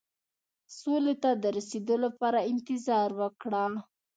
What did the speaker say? سولې ته د رسېدو لپاره انتظار وکړو.